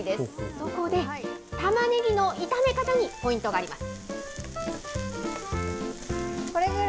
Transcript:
そこで、タマネギの炒め方にポイントがあります。